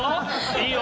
いいよ！